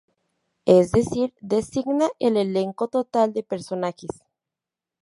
Es decir, designa el elenco total de personajes.